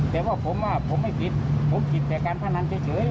แต่ว่าผมว่าผมไม่ผิดผมผิดแต่การพนันเฉย